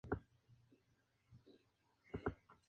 El pollo con rosas es un plato popular en la cocina persa.